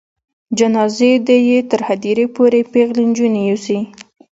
جنازه دې یې تر هدیرې پورې پیغلې نجونې یوسي.